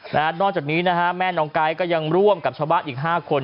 นอกจากนี้นะฮะแม่น้องไก๊ก็ยังร่วมกับชาวบ้านอีกห้าคน